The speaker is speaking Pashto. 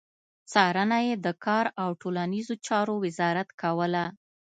څارنه يې د کار او ټولنيزو چارو وزارت کوله.